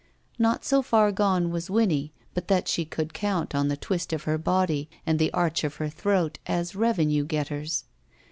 Not so far gone was Winnie but that she could count on the twist of her body and the arch of her throat as revenue getters.